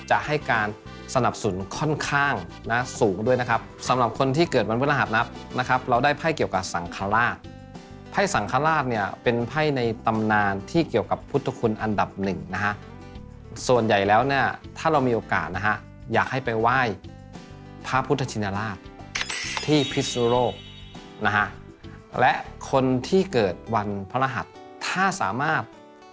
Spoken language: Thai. จะให้การสนับสนุนค่อนข้างนะสูงด้วยนะครับสำหรับคนที่เกิดวันพฤหัสนับนะครับเราได้ไพ่เกี่ยวกับสังฆราชไพ่สังฆราชเนี่ยเป็นไพ่ในตำนานที่เกี่ยวกับพุทธคุณอันดับหนึ่งนะฮะส่วนใหญ่แล้วเนี่ยถ้าเรามีโอกาสนะฮะอยากให้ไปไหว้พระพุทธชินราชที่พิศนุโลกนะฮะและคนที่เกิดวันพระรหัสถ้าสามารถ